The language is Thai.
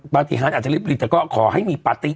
ปฏิหารอาจจะรีบลิงแต่ก็ขอให้มีปฏิ